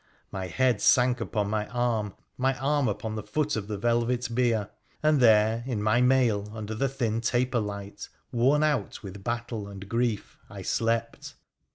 My head sank upon my arm, my arm upon the foot of the velvet bier, and there, in my mail, under the thin taper light, worn out with battle and grief, I slept.